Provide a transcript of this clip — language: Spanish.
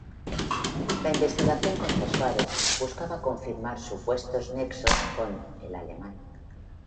La investigación contra Suárez buscaba confirmar supuestos nexos con 'el alemán'.